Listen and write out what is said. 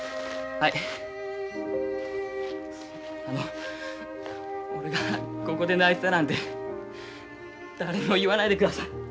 あの俺がここで泣いてたなんて誰にも言わないでください。